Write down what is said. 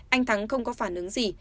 anh thắng không có phản ứng gì